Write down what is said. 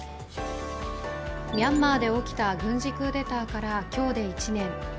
ミャンマーで起きた軍事クーデターから今日で１年。